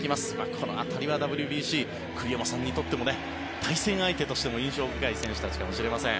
この辺りはＷＢＣ、栗山さんにとっても対戦相手としても印象深い選手かもしれません。